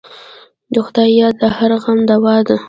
د خدای یاد د هر غم دوا ده.